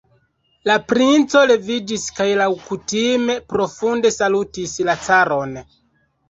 La princo leviĝis kaj laŭkutime profunde salutis la caron.